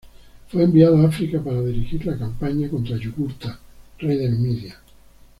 Fue enviado a África para dirigir la campaña contra Yugurta, rey de Numidia.